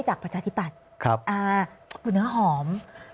จากประชาธิบัติอ่าหูเนื้อหอมครับครับอ่าหูเนื้อหอม